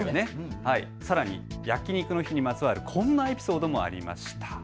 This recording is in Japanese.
さらにヤキニクの日にまつわるこんなエピソードもありました。